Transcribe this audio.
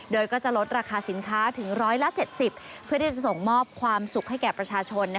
โดยก็จะลดราคาสินค้าถึง๑๗๐เพื่อที่จะส่งมอบความสุขให้แก่ประชาชน